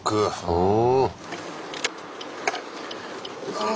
うん。